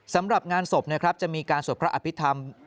สำหรับงานศพจะมีการศพพระอภิษฐรรม